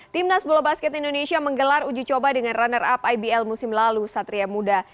timnas bola basket indonesia menggelar uji coba dengan runner up ibl musim lalu satria muda